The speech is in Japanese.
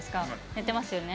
寝てますよね。